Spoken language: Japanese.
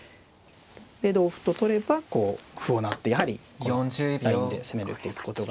で同歩と取ればこう歩を成ってやはりこのラインで攻めていくことが。